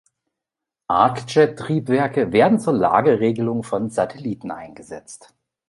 Arcjet-Triebwerke werden zur Lageregelung von Satelliten eingesetzt.